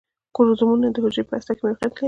کروموزومونه د حجرې په هسته کې موقعیت لري